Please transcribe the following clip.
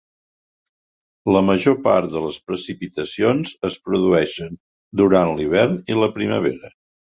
La major part de les precipitacions es produeixen durant l'hivern i la primavera.